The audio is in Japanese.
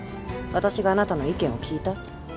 私があなたの意見を聞いた？